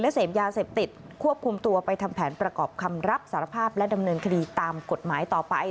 เสพยาเสพติดควบคุมตัวไปทำแผนประกอบคำรับสารภาพและดำเนินคดีตามกฎหมายต่อไป